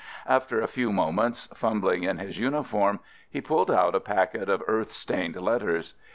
After a few moments, fum bling in his uniform, he pulled out a packet of earth stained letters.